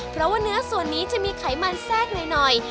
เพราะว่าเนื้อส่วนนี้จะมีไขมันแทรกหน่อย